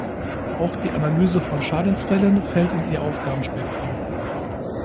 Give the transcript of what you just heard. Auch die Analyse von Schadensfällen fällt in ihr Aufgabenspektrum.